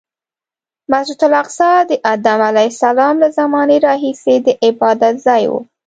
مسجد الاقصی د ادم علیه السلام له زمانې راهیسې د عبادتځای و.